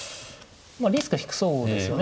リスクは低そうですよね